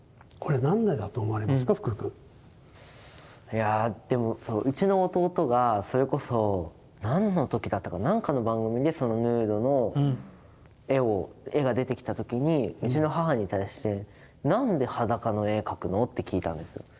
いやあでもうちの弟がそれこそ何の時だったか何かの番組でそのヌードの絵が出てきた時にうちの母に対して「なんで裸の絵描くの？」って聞いたんですよ。